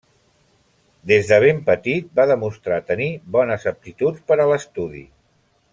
Des de ben petit va demostrar tenir bones aptituds per a l'estudi.